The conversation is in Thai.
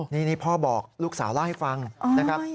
นี่พ่อบอกลูกสาวเล่าให้ฟังนะครับ